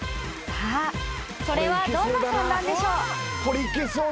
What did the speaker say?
［さあそれはどんな産卵でしょう？］